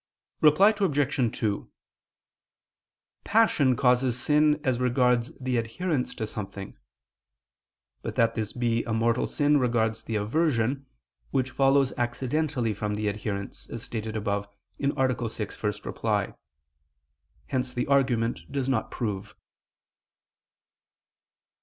Reply Obj. 2: Passion causes sin as regards the adherence to something. But that this be a mortal sin regards the aversion, which follows accidentally from the adherence, as stated above (A. 6, ad 1): hence the argument does not prove.